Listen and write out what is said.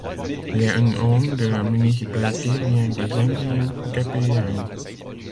Le nom de la municipalité vient des indiens tepehuanes.